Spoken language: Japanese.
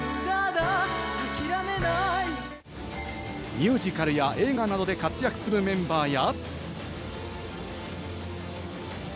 ミュージカルや映画などで活躍するメンバーや。